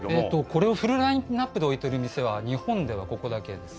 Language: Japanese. これをフルラインアップで置いている店は日本ではここだけです。